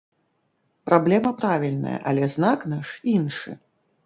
Праблема правільная, але знак наш іншы.